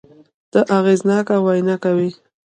ته اغېزناکه وينه کوې